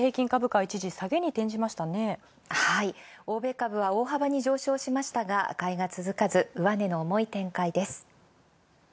はい、欧米株は大幅に上昇しましたが、買いが続かず上値の重い展開です。